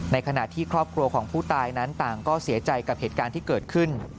ในขณะที่ครอบครัวของผู้ตายนั้นต่างก็เสียใจกับเหตุการณ์ที่เกิดขึ้น